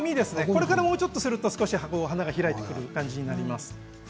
これからもうちょっとすると花が開いてくる感じです。